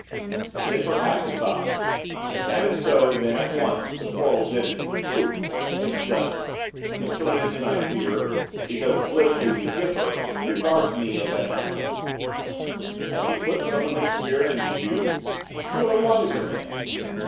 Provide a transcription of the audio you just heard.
'Then perhaps it's I. If that is so, then, at once, the quarrel's ended, pouf! it's done. Mr Lindon, I fear, because, politically, we differ, regards me as anathema. Has he put some of his spirit into you? You are a wiser man.